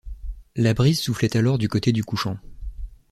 La brise soufflait alors du côté du couchant.